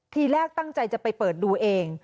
ทีแรกตั้งใจจะไปเปิดดูเอง